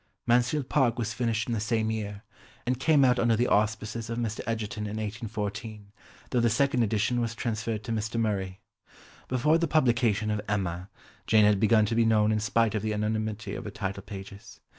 Mansfield Park was finished in the same year, and came out under the auspices of Mr. Egerton in 1814, though the second edition was transferred to Mr. Murray. Before the publication of Emma, Jane had begun to be known in spite of the anonymity of her title pages.